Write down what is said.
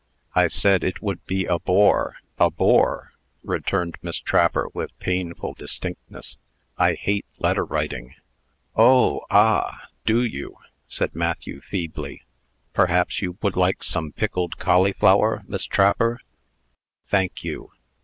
"I said it would be a bore a bore!" returned Miss Trapper, with painful distinctness. "I hate letter writing." "Oh! ah! Do you?" said Matthew, feebly. "Perhaps you would like some pickled cauliflower, Miss Trapper?" "Thank you."